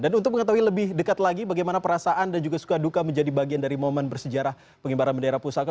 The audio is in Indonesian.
dan untuk mengetahui lebih dekat lagi bagaimana perasaan dan juga suka duka menjadi bagian dari momen bersejarah pengibaran bendera pusaka